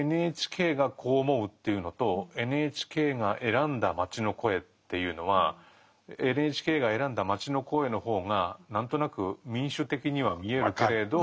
ＮＨＫがこう思うというのとＮＨＫが選んだ街の声っていうのはＮＨＫが選んだ街の声の方が何となく民主的には見えるけれど。